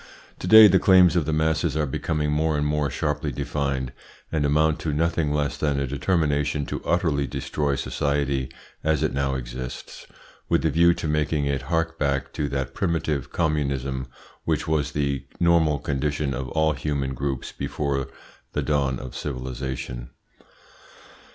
To day the claims of the masses are becoming more and more sharply defined, and amount to nothing less than a determination to utterly destroy society as it now exists, with a view to making it hark back to that primitive communism which was the normal condition of all human groups before the dawn of civilisation.